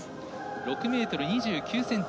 ６ｍ２９ｃｍ